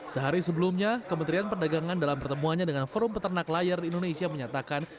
sehari sebelumnya kementerian perdagangan dalam pertemuannya dengan forum peternak layar indonesia menyatakan